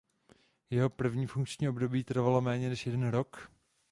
Jeho první funkční období trvalo méně než jeden rok.